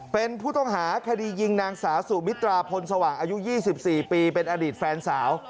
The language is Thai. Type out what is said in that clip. เป็นผู้ต้องหาคดียิงนางสาวสุมิตราพลสว่างอายุ๒๔ปีเป็นอดีตแฟนสาว